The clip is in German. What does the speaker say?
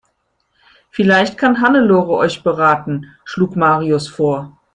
Vielleicht kann Hannelore euch beraten, schlug Marius vor.